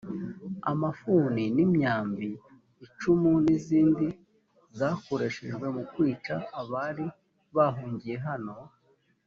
amafuni ni imyambi icumu n izindi zakoreshejwe mu kwica abari bahungiye hano